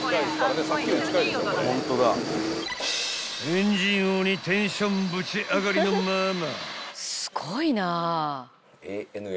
［エンジン音にテンションぶち上がりのママ］